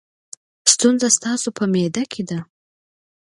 ستونزه ستاسو په معده کې ده.